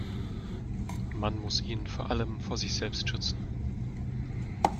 Man muss ihn vor allem vor sich selbst schützen.